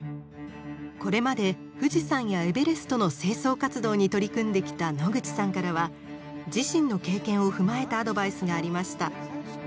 これまで富士山やエベレストの清掃活動に取り組んできた野口さんからは自身の経験を踏まえたアドバイスがありました。